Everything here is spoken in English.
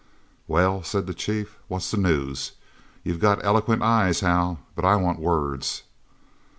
"Well," said the chief, "what's the news? You got eloquent eyes, Hal, but I want words."